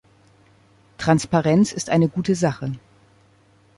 Transparenz ist eine gute Sache!